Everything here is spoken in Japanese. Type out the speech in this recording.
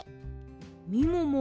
みもも